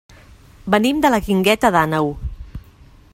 Venim de la Guingueta d'Àneu.